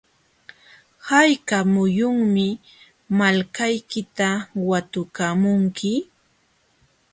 ¿hayka muyunmi malkaykita watukamunki?